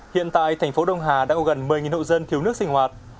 hiện tại thành phố đông hà đã có gần một mươi hộ dân thiếu nước sinh hoạt